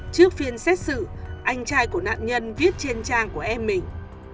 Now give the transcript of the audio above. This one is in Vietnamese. trước phiên xét xử anh trai của nạn nhân viết trên trang của em mình